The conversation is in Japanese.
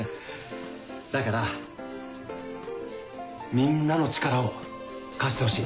だからみんなの力を貸してほしい。